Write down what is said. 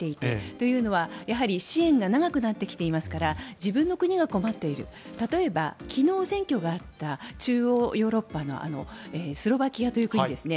というのは支援が長くなってきていますから自分の国が困っている例えば、昨日選挙があった中央ヨーロッパのスロバキアという国ですね。